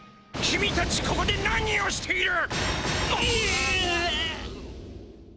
君たちここで何をしている！？